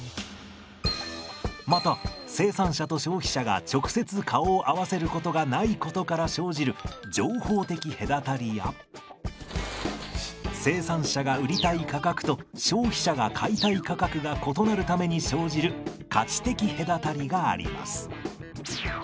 また生産者と消費者が直接顔を合わせることがないことから生じる情報的隔たりや生産者が売りたい価格と消費者が買いたい価格が異なるために生じる価値的隔たりがあります。